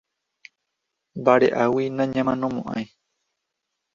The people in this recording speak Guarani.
Vare'águi nañamanomo'ãi.